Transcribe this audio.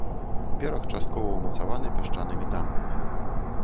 Бераг часткова ўмацаваны пясчанымі дамбамі.